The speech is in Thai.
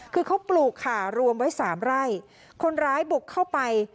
คือเขาปลูกค่ะรวมไว้สามไร่คนร้ายบุกเข้าไป